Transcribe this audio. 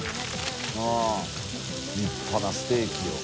うん立派なステーキよ。